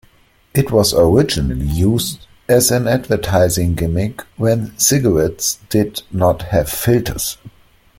It was originally used as an advertising gimmick when cigarettes did not have filters.